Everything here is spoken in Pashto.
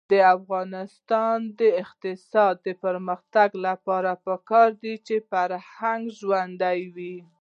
د افغانستان د اقتصادي پرمختګ لپاره پکار ده چې فرهنګ ژوندی وي.